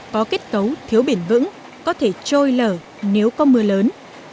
có kết cấu thiếu biển vững có thể trôi lở nếu có mưa lớn